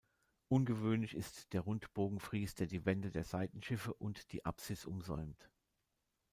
Ungewöhnlich ist der Rundbogenfries, der die Wände der Seitenschiffe und die Apsis umsäumt.